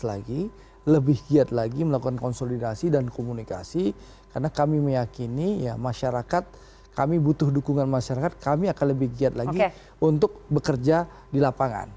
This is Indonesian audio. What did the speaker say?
sekali lagi lebih giat lagi melakukan konsolidasi dan komunikasi karena kami meyakini ya masyarakat kami butuh dukungan masyarakat kami akan lebih giat lagi untuk bekerja di lapangan